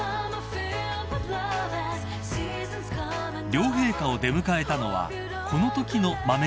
［両陛下を出迎えたのはこのときの豆記者たち］